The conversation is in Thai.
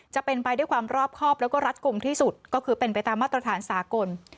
จะเป็นไปด้วยความรอบครอบแล้วก็รัดกลุ่มที่สุดก็คือเป็นไปตามมาตรฐานสากล